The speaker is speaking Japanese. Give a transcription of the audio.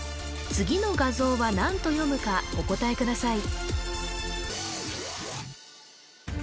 次の画像は何と読むかお答えください